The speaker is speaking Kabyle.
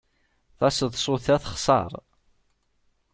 Taseḍsut-a texṣer.